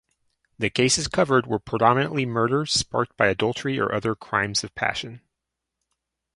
The cases covered were predominantly murders sparked by adultery or other crimes of passion.